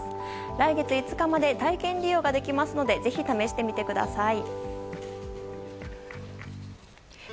来月５日まで体験利用ができますのでぜひ試してみてください。